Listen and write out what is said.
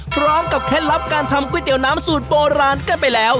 เคล็ดลับการทำก๋วยเตี๋ยวน้ำสูตรโบราณกันไปแล้ว